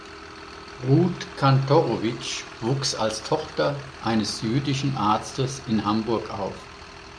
Ruth Kantorowicz wuchs als Tochter eines jüdischen Arztes in Hamburg auf.